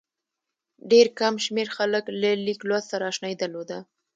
ډېر کم شمېر خلکو له لیک لوست سره اشنايي درلوده.